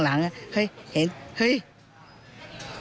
ได้นำเรื่องราวมาแชร์ในโลกโซเชียลจึงเกิดเป็นประเด็นอีกครั้ง